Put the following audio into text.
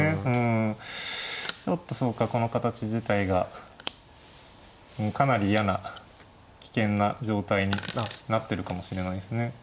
ちょっとそうかこの形自体がかなり嫌な危険な状態になってるかもしれないですね。